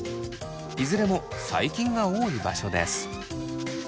いずれも細菌が多い場所です。